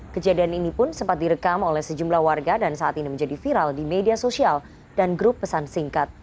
kejadian ini pun sempat direkam oleh sejumlah warga dan saat ini menjadi viral di media sosial dan grup pesan singkat